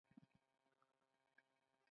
هغه د سلطان په ستاینه کې ډېر ښه شعرونه ویلي دي